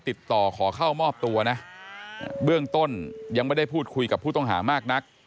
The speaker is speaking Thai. ติดต่อขอเข้ามอบตัวนะเบื้องต้นยังไม่ได้พูดคุยกับผู้ต้องหามากนัก